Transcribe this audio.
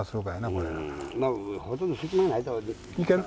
これはまあほとんど隙間ないといける？